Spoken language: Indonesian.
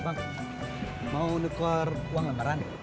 bang mau nuker uang lemparan